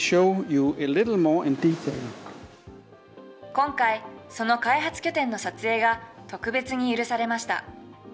今回、その開発拠点の撮影が特別に許されました。